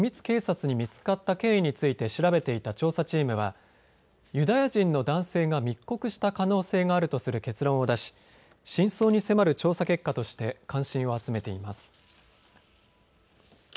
警察に見つかった経緯について調べていた調査チームはユダヤ人の男性が密告した可能性があるとする結論を出し真相に迫る調査結果として関心を集めています。